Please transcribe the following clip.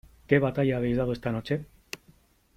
¿ qué batalla habéis dado esta noche ?